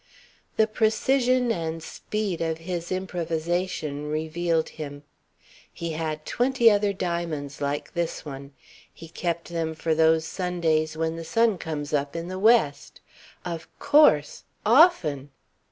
The precision and speed of his improvisation revealed him. He had twenty other diamonds like this one. He kept them for those Sundays when the sun comes up in the west. Of course often!